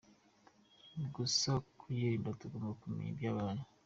Gusa ku byirinda, tugomba kumenya ibyabaye.